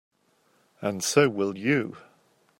And so will you.